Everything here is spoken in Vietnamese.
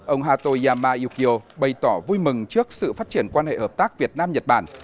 ông hato yama yukio bày tỏ vui mừng trước sự phát triển quan hệ hợp tác việt nam nhật bản